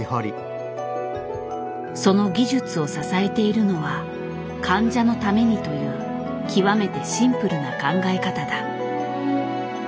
その技術を支えているのは患者のためにという極めてシンプルな考え方だ。